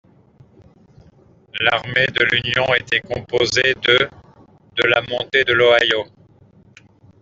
L'armée de l'Union était composée de de la montée de l'Ohio.